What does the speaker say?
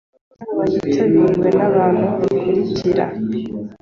Inama yitabiriwe n’abantu bakurikira